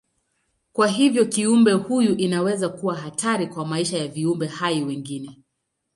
Kwa hivyo kiumbe huyu inaweza kuwa hatari kwa maisha ya viumbe hai wengine.